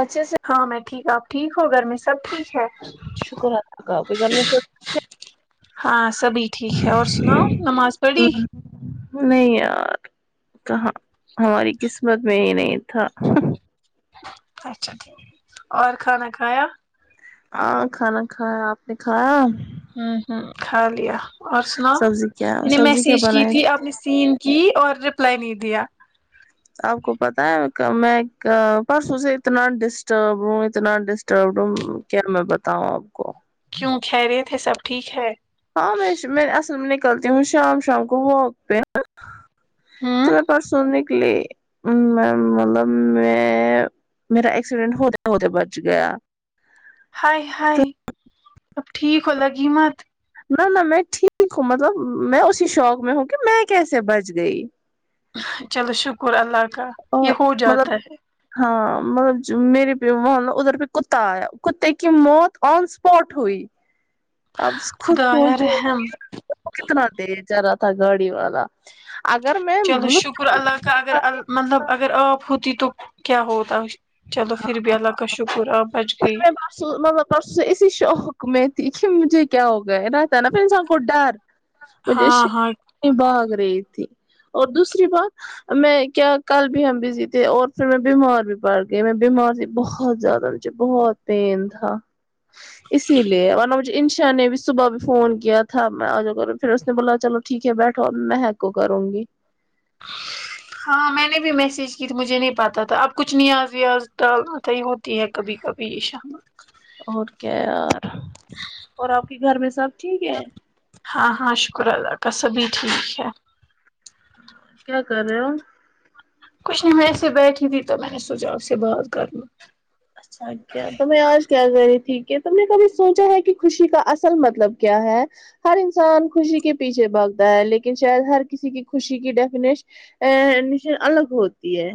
اچھے سے ہاں میں ٹھیک آپ ٹھیک ہو گھر میں سب ٹھیک ہے شکرہے اللہ کا آپکے گھر پے سب ٹھیک ہے ہاں سبھی ٹھیک ہے اور سناؤ نماز پڑھی سب نہیں یار کہاں ہماری قسمت میں ہی نہیں تھا ہ اچھا ٹھیک اور کھانا کھایا ہاں کھانا کھایا آپ نے کھایا ہمم ہمم کھا لیا اور سناؤ سبزی کیا میں نے سبزی کیا میسج کی بنائی تھی آپ نے سین کی اور ریپلائی نہیں دیا آپ کو پتا ہے میں پرسوں سے اتنا ڈسٹربڈ ہوں اتنا ڈسٹربڈ ہوں کیا میں بتاؤں آپ کو کیوں خیریت ہے سب ٹھیک ہے ہاں میں میں اصل میں نکلتی ہوں شام شام کو واک پہ تو ہوں میرے پاس سونے لی میں مطلب میں میرا ایکسیڈینٹ ہوتے ہوتے بج گیا ہائے ہائے اب ٹھیک ہو لگی مت نہ نہ میں ٹھیک ہوں مطلب میں اسی شوق میں ہوں کہ میں کیسے بچ گئی چلو شکر اللہ کا یہ اور ہو مطلب جاتا ہے ہاں مطلب میرے پے وہ ادھر پہ کتا آیا کتے کی موت آن سپاٹ ہوئی اب خود خدایا پہنچ رحم کتنا تز جا رہا تھا گاڑی والا اگر میں چلو مطلب شکر اللہ کا اگر ال مطلب اگر آپ ہوتی تو تو کیا ہوتا چلو پھر بھی اللہ کا شکر آپ بچ گئی پھر میں پرسوں مطلب پرسوں اسی شوق میں تھی کہ مجھے کیا ہو گیا رہتا نا پھر انسان کو ڈر مجھے ہاں شھ ہاں بھاگ رہی تھی اور دوسری بات میں کیا کل بھی ہم بزی تھے اور پھر میں بیمار بھی پڑ گئی میں بیمار بھی بہت زیادہ بہت پین تھا اسی لیے ورنہ مجھے انشا نے بھی صبح بھی فون کیا تھا میں آ جا کرا پھر اس نے بولا چلو ٹھیک ہے بیٹھو اب میھک کو کروں گی ہاں میں نے بھی میسج کی تھی مجھے نہیں پتا تھا اب کچھ نیاز ویاز ڈال تھا تی ہے کبھی کبھی یہ شامت اور کیا یار اور آپ کے گھر میں سب ٹھیک ہے ہاں ہاں شکر اللہ کا سبھی ٹھیک ہے کیا کر رہے ہو کچھ نہیں میں ایسے بیٹھی تھی تو میں نے سوچا آپ سے بات کرلوں اچھا کیا تو میں آج کیا کر رہی تھی کہ تم نے کبھی سوچا ہے کہ خوشی کا اصل مطلب کیا ہے ہر انسان خوشی کے پیچھے بھگتا ہے لیکن شاید ہر کسی کی خوشی کی ڈیفینش انشا الگ ہوتی ہے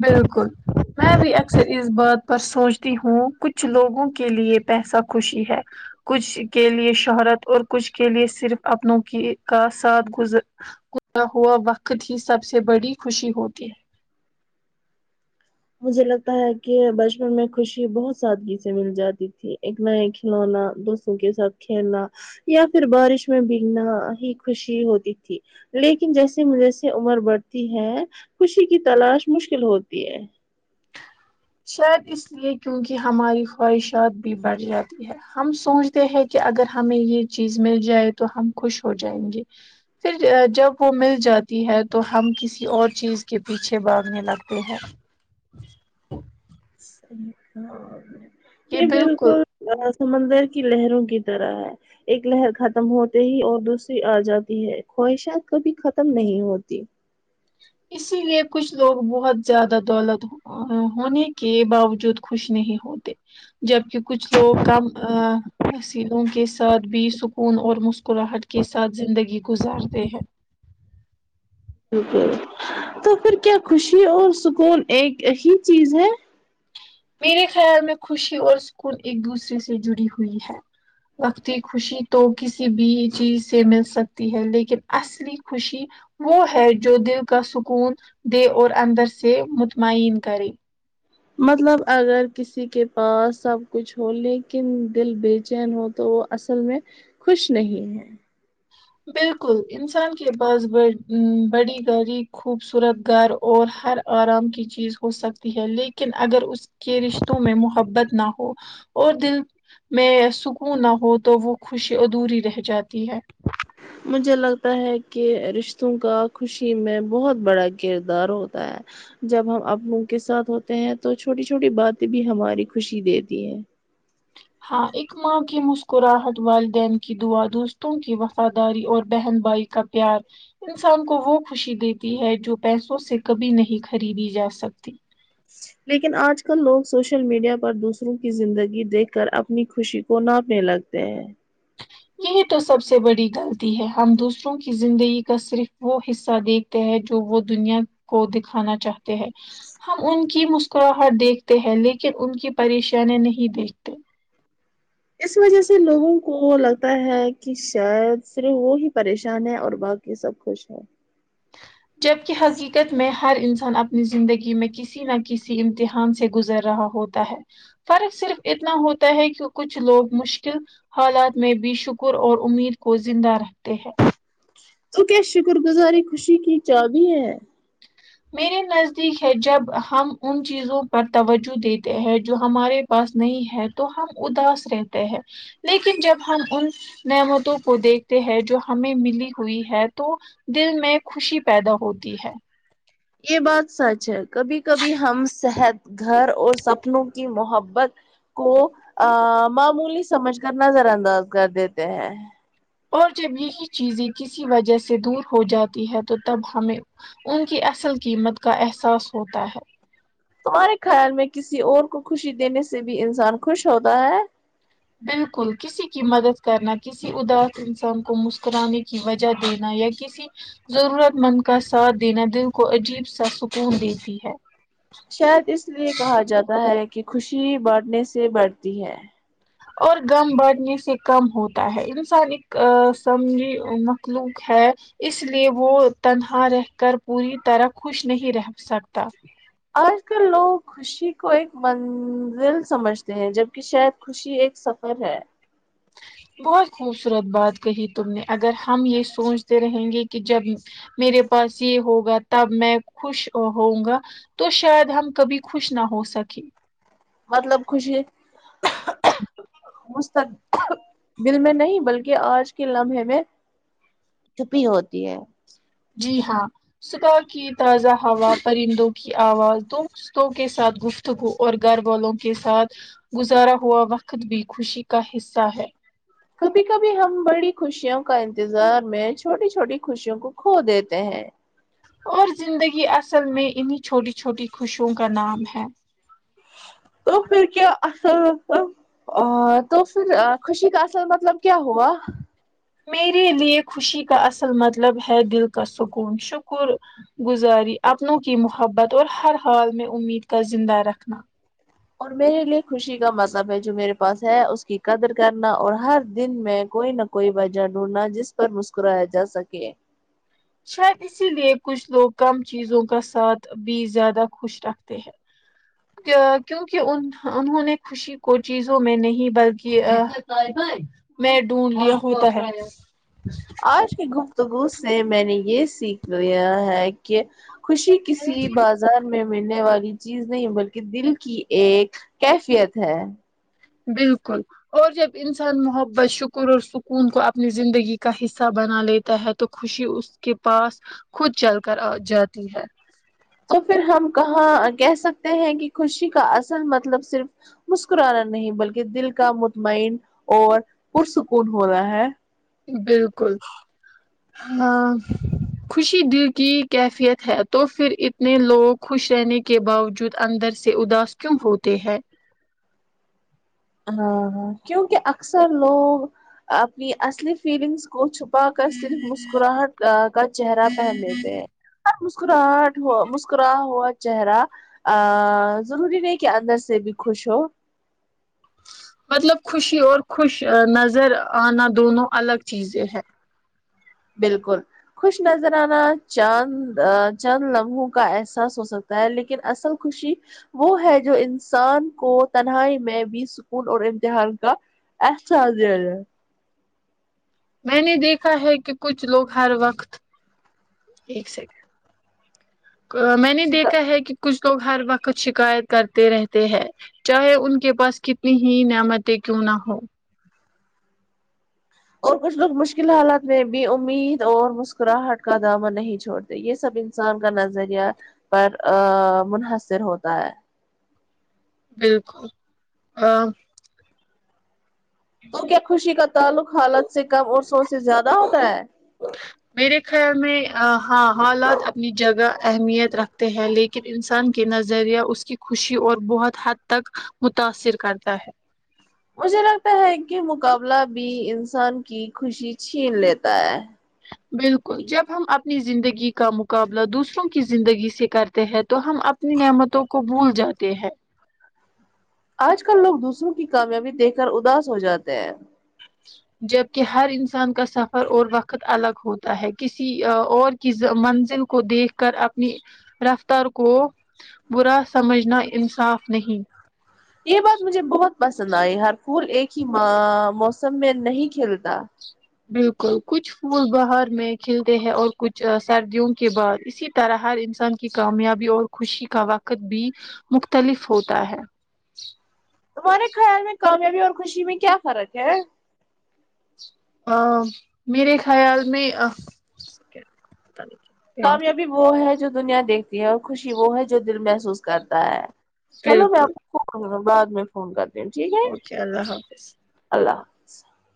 بالکل میں بھی اکثر اس بات پر سوچتی ہوں کچھ لوگوں کے لیے پیسہ خوشی ہے کچھ کے لیے شہرت اور کچھ کے لیے صرف اپنوں کی کا ساتھ گزر گزرا ہوا وقت ہی سب سے بڑی خوشی ہوتی ہے مجھے لگتا ہے کہ بچپن میں خوشی بہت سادگی سے مل جاتی تھی ایک نئے کھلونا دو کے ساتھ کھیلنا یا پھر بارش میں بگنا ہی خوشی ہوتی تھی لیکن جیسے ما جی سے عمر بڑھتی ہے خوشی کی تلاش مشکل ہوتی ہے شاید اس لیے کیونکہ ہماری خواہشات بھی بڑھ جاتی ہم سوچتے ہیں کہ اگر ہمیں یہ چیز مل جائے تو ہم خوش ہو جائیں گے پھر جب وہ مل جاتی ہے تو ہم کسی اور چیز کے پیچھے باگنے لگتے ہیں صحیح کہا آپ نے یہ بالکل سمندر کی لہروں کی طرح ہے ایک لہر ختم ہوتے ہی اور دوسری آ جاتی ہے خواہشات کبھی ختم نہیں ہوتی اسی لیے کچھ لوگ بہت زیادہ دولت ہوں ہونے کے باوجود خوش نہیں ہوتے جبکے کچھ لوگ کم آ حسیلوں کے ساتھ بھی سکون اور مسکراہٹ کے ساتھ زندگی گزارتے ہیں بالکل تو پھر کیا خوشی اور سکون ایک ہی چیز ہے میرے خیال میں خوشی اور سکون ایک دوسرے سے جڑی ہوئی ہے وقت کی خوشی تو کسی بھی چیز سے مل سکتی ہے لیکن اصلی خوشی وہ ہے جو دل کا سکون دے اور اندر سے مطمئن کرے مطلب اگر کسی کے پاس سب کچھ ہو لیکن دل بےچین ہو تو وہ اصل میں خوش نہیں ہے بالکل انسان کے پاس بڑ عم بڑی گاڑی خوبصورت گھر اور ہر آرام کی چیز ہو سکتی ہے لیکن اگر اس کے رشتوں میں محبت نہ ہو اور دل میں سکون نہ ہو تو وہ خوشی ادھوری رہ جاتی ہے مجھے لگتا ہے کہ رشتوں کا خوشی میں بہت بڑا کردار ہوتا ہے جب ہم اپنوں کے ساتھ ہوتے ہیں تو چھوٹی چھوٹی باتیں بھی ہماری خوشی دیتی ہیں ہاں اک ماں کی مسکراہٹ والدین کی دعا دوستوں کی وفاداری اور بہن بھائی کا پیار انسان کو وہ خوشی دیتی ہے جو پیسوں سے کبھی نہیں خریدی جاسکتی لیکن آج کل لوگ سوشل میڈیا پر دوسروں کی زندگی دیکھ کر اپنی خوشی کو ناپنے لگ تے ہیں یہی تو سب سے بڑی غلطی ہے ہم دوسروں کی زندگی کا صرف وہ حصہ دیکھ تے ہیں جو وہ دنیا کو دکھانا چاہتے ہیں ہم ان کی مسکراہٹ دیکھتے ہیں لیکن ان کی پریشانی نہیں دیکھتے اس وجہ سے لوگوں کو لگتا ہے کی شاید صرف وہ ہی پریشان ہے اور باق کے سب خوش ہے جب کہ حقیقت میں ہر انسان اپنی زندگی میں کسی نہ کسی امتحان سے گزر رہا ہو تا ہے فرق صرف اتنا ہوتا ہے کہ کچھ لوگ مشکل حالات میں بھی شکر اور امید کو زندہ رکھتے ہیں تو کیا شکر گزاری خوشی کی چابی ہے میرے نزدیک ہے جب ہم ان چیزوں پر توجہ دیتے ہیں جو ہمارے پاس نہیں ہے تو ہم اداس رہتے ہیں لیکن جب ہم ان نعمتوں کو دیکھتے ہیں جو ہمیں ملی ہوئی ہے تو دل میں خوشی پیدا ہوتی ہے یہ بات سچ ہے کبھی کبھی ہم صحت گھر اور سپنوں کی محبت کو معمولی سمجھ کر نظر انداز کر دیتے ہیں اور جب یہی چیزیں کسی وجہ سے دور ہو جاتی ہے تو تب ہمیں ان کی اصل قیمت کا احساس ہوتا ہے ہمہارے خیال میں کسی اور کو خوشی دینے سے بھی انسان خوش ہوتا ہے بالکل کسی کی مدد کرنا ک کسی اداس انسان کو مسکرانے کی وجہ دینا یا کسی ضرورت مند کا ساتھ دینا دل کو عجیب سا سکون دیتی ہے شاید اس لیے کہا جاتا ہے کہ خوشی باٹھنے سے بڑھتی ہے اور غم بٹھنے سے کم ہوتا ہے انسان ایک سمھی مخلوق ہے اس لیے وہ تنہا رہ کر پوری طرح خوش نہیں رہ سکتا آج کل لوگ خوشی کو ایک منزل سمجھتے ہیں جبک شاید خوشی ایک سفر ہے بہت خوبصورت بات کہی تم نے اگر ہم یہ سوچتے رہیں گے کہ جب میرے پاس یہ ہوگا تب میں خوش ہووں گا تو شاید ہم کبھی خوش نہ ہو سکے مطلب خوشی مستق دل میں نہیں بلکہ آج کے لمحے میں چھپی ہوتی ہے جی ہاں صبح کی تازہ ہوا پرندوں کی آواز د دوستوں کے ساتھ گفتگو اور گھر والوں کے ساتھ گزارا ہوا وقت بھی خوشی کا حصہ ہے کبھی کبھی ہم بڑی خوشیوں کا انتظار میں چھوٹی چھوٹی خوشیوں کو کھو دیتے ہیں اور زندگی اصل میں انہیں چھوٹی چھوٹی خوشوں کا نام ہے تو پھر کیا اصل ا تو پھر اخوشی کا اصل مطلب کیا ہوا میرے لیے خوشی کا اصل مطلب ہے دل کا سکون شکر گزاری اپنوں کی محبت اور ہر حال میں امید کا زندہ رکھنا اور میرے لیے خوشی کا مطلب ہے جو میرے پاس ہے اس کی قدر کرنا اور ہر دن میں کوئی نہ کوئی وجہ ڈونڈنا جس پر مسکرایا جا سکے شاید اسی لیے کچھ لوگ کم چیزوں کا ساتھ بھی زیادہ خوش رکھتے ہیں کیوںک ان انہوں نے خوشی کو چیزوں میں نہیں بلکہ ا میں ڈھونڈ لیا ہوتا ہے آج کی گفتگو سے میں نے یہ سیکھ لیا ہے کہ خوشی کسی بات بازار میں ملنے والی چیز نہیں بلکہ دل کی ایک کیفیت ہے بالکل اور جب انسان محبت شکر اور سکون کو اپنی زندگی کا حصہ بنا لیتا ہے تو تو خوشی اس کے پاس خود چل کر آ جاتی ہے تو پھر ہم کہاں کہہ سکتے ہیں کہ خوشی کا اصل مطلب صرف مسکرانا نہیں بلکہ دل کا مطمئن اور پرسکون ہوںا ہے بالکل ہاں خوشی دل کی کیفیت ہے تو پھر اتنے لوگ خوش رہنے کے باوجود اندر سے اداس کیوں ہوتے ہیں ہاں ہاں کیوںکہ اکثر لوگ اپنی اصلی فیلنگس کو چپ پا کر صرف مسکراہٹ کا چہرہ پہن لیتے ہیں مسکراہٹ مسکرا ہوا چہرہ ضروری نہیں کہ اندر سے بھی خوش ہو مطلب خوشی اور خوش نظر آنا دونوں الگ چیزیں ہے بالکل خوش نظر آنا چاند چند لمحوں کا احساس ہو سکتا ہے لیکن اصل خوشی وہ ہے جو انسان کو تنہائی میں بھی سکون اور امتحان کا احساس دیا جائے میں نے دیکھا ہے کہ کچھ لوگ ہر وقت ایک سیکنڈ میں نے شکا دیکھا ہے کہ کچھ لوگ ہر وقت شکایت کرتے رہتے ہیں چاہے ان کے پاس کتنی ہی نعمتیں کیوں نہ ہو اور کچھ لوگ مشکل حالات میں بھی امید اور مسکراہٹ کا دامن نہیں چھوڑتے یہ سب انسان کا نظریہ پر منحصر ہوتا ہے بالکل آ تو کیا خوشی کا تعلق حالت سے کم اور سو سے زیادہ ہوتا ہے میرے خیال میں ہاں حالات د جگہ اہمیت رکھتے ہیں لی کہ انسان کے نظریہ اس کی خوشی اور بہت حد تک متاثر کرتا ہے مجھے لگتا ہے کہ مقابلہ بھی انسان کی خوشی چھین لیتا ہے بالکل جب ہم اپنی زندگی کا مقابلہ دوسروں کی زندگی سے کرتے ہیں تو ہم اپ نے نعمتوں کو بھول جاتے ہیں آج کل لوگ دوسروں کی کامیابی دیکھ کر اداس ہو جاتے ہیں جبکہ ہر انسان کا سفر اور وقت الگ ہوتا ہے کسی اور کی منزل کو دیکھ کر اپنی رفتار کو برا سمجھنا انصاف نہیں یہ بات مجھے بہت پسند آئی ہر پھول ایک ہی ما موسم میں نہیں کھیلتا بالکل کچھ پھول باہر میں کھلتے ہیں اور کچھ سردیوں کے بعد اسی طرح ہر انسان کی کامیابی اور خوشی کا وقت بھی مختلف ہوتا ہے تمہارے خیال میں کامیابی اور خوشی میں کیا فرق ہے میرے خیال میں کامیابی وہ ہے جو دنیا دیکھتی ہے اور خوشی وہ ہے جو دل محسوس کرتا ہے چلو میں بالکل اپکو بعد میں فون کرتی ہوں ٹھیک ہے اوکے اللہ حافظ اللہ حافظ